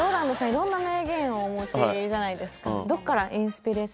色んな名言をお持ちじゃないですか